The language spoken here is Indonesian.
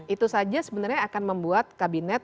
itu saja sebenarnya akan membuat kabinet